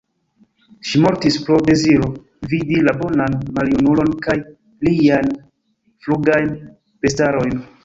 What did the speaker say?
Ŝi mortis pro deziro, vidi la bonan maljunulon kaj liajn flugajn bestarojn.